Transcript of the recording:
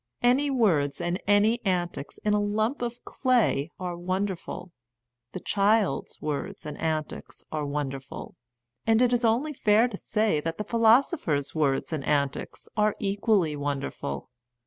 Any words and any antics in a lump of clay are wonderful, the child's words and antics are wonder ful, and it is only fair to say that the philosopher's words and antics are equally wonderful.